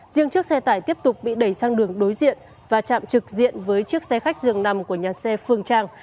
riêng chiếc xe tải tiếp tục bị đẩy sang đường đối diện và chạm trực diện với chiếc xe khách dường nằm của nhà xe phương trang